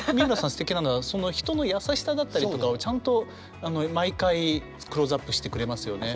すてきなのはその人の優しさだったりとかをちゃんと毎回クローズアップしてくれますよね。